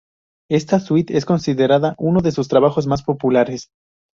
Esta Suite es considerada uno de sus trabajos más populares.